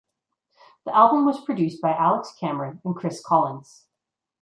The album was produced by Alex Cameron and Chris Collins.